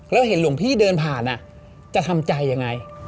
แล้วเห็นหลวงพี่เดินผ่านจะทำใจยังไง